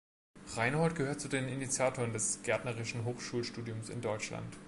Reinhold gehört zu den Initiatoren des gärtnerischen Hochschulstudiums in Deutschland.